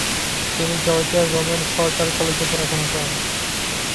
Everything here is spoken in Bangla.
তিনি জর্জিয়ার রোমের শর্টার কলেজে পড়াশোনা করেন।